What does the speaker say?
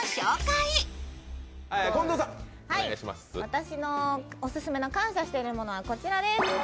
私のオススメの感謝しているものはこちらです。